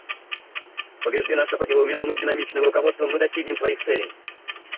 Убеждена, что под его умелым и динамичным руководством мы достигнем своих целей.